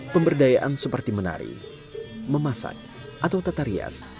pemberdayaan seperti menari memasak atau tatarias